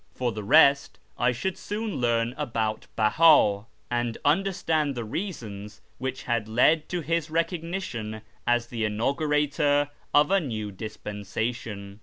For the rest, I should soon learn about Bella, and understand the reasons which had led to his recog nition as the inaugurator of a new dispensation.